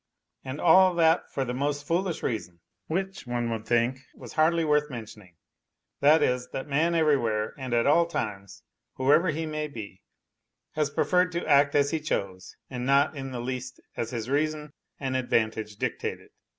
And all that for the most foolish reason, which, one would think, was hardly worth mentioning : that is, that man everywhere and at all times, whoever he may be, has preferred to act as he chose and not in the least as his reason and advantage dictated.